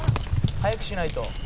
「早くしないと」